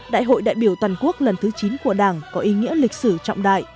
đại hội đại biểu toàn quốc lần thứ chín của đảng có ý nghĩa lịch sử trọng đại